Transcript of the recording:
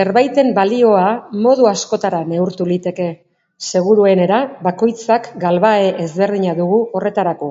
Zerbaiten balioa modu askotara neurtu liteke, seguruenera bakoitzak galbahe ezberdina dugu horretarako.